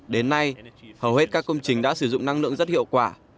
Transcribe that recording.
đến nay hầu hết các công trình đã sử dụng năng lượng rất hiệu quả